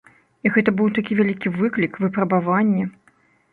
І гэта быў такі вялікі выклік, выпрабаванне.